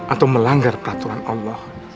atau melanggar peraturan allah